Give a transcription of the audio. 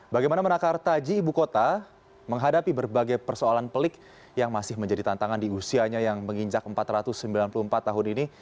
bagaimana menakar taji ibu kota menghadapi berbagai persoalan pelik yang masih menjadi tantangan di usianya yang menginjak empat ratus sembilan puluh empat tahun ini